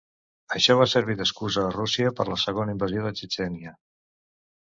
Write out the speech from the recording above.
Això va servir d'excusa a Rússia per la segona invasió de Txetxènia.